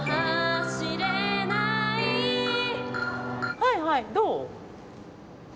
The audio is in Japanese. はいはいどう？